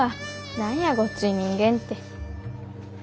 何やごっつい人間って。